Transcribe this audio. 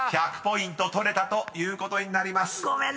［１００ポイント取れたということになります］